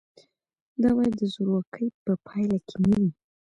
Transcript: دا باید د زورواکۍ په پایله کې نه وي.